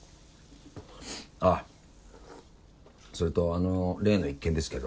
あっそれとあの例の一件ですけど。